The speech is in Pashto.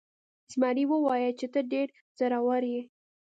زمري وویل چې ته ډیر زړور یې.